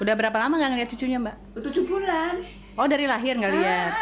udah berapa lama ngelihat cucunya mbak tujuh bulan oh dari lahir ngelihat